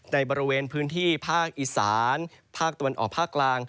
ในบริเวณพื้นที่ภาคอีสานภาคตะวันออกภาคกลาง